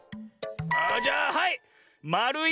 あじゃあはい！